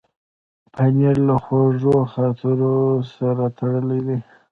پنېر له خوږو خاطرونو سره تړلی دی.